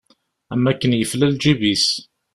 Am akken yefla lǧib-is.